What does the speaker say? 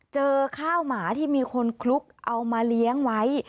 เจอข้าวหมาที่มีคนคลุกเอามาเลี้ยงไว้